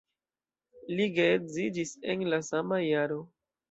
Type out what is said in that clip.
Li geedziĝis en la sama jaro.